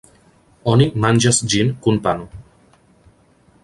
Oni manĝas ĝin kun pano.